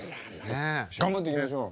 頑張っていきましょう。